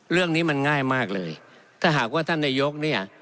เรื่องนี้มันง่ายมากเลยถ้าหากว่าท่านนายกเนี่ย